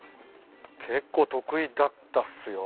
結構得意だったっすよ。